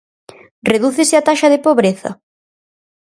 ¿Redúcese a taxa de pobreza?